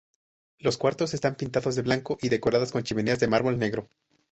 Los cuartos están pintados de blanco y decorados con chimeneas de mármol negro.